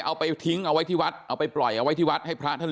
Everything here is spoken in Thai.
เอาไปทิ้งเอาไว้ที่วัดเอาไปปล่อยเอาไว้ที่วัดให้พระท่าน